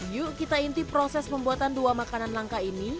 yuk kita inti proses pembuatan dua makanan langka ini